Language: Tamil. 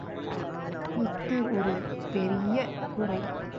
இஃது ஒரு பெரிய குறை.